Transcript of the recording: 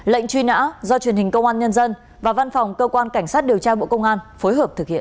lệnh truy nã do truyền hình công an nhân dân và văn phòng cơ quan cảnh sát điều tra bộ công an phối hợp thực hiện